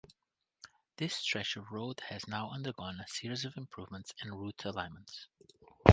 This stretch of road has now undergone a series of improvements and route alignments.